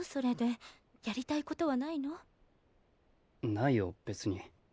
ないよ別に。